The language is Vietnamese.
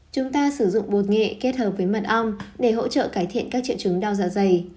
chúng ta sử dụng bột nghệ kết hợp với mật ong để hỗ trợ cải thiện các triệu chứng đau dạ dày